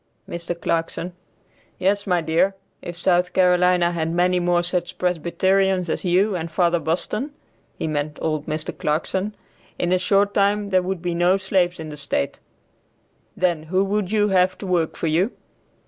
Mr. Clarkson. "Yes, my dear, if South Carolina had many more such Presbyterians as you and Father Boston (he meant old Mr. Clarkson), in a short time there would be no slaves in the state; then who would you have to work for you?"